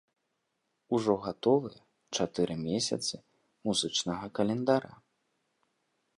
Ужо гатовыя чатыры месяцы музычнага календара.